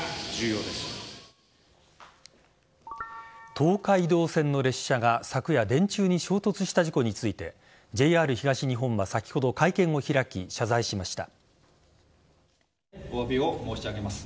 東海道線の列車が昨夜電柱に衝突した事故についてＪＲ東日本は先ほど会見を開き、謝罪しました。